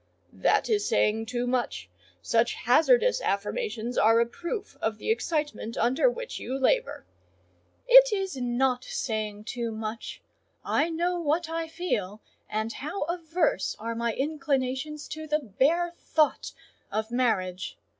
"That is saying too much: such hazardous affirmations are a proof of the excitement under which you labour." "It is not saying too much: I know what I feel, and how averse are my inclinations to the bare thought of marriage.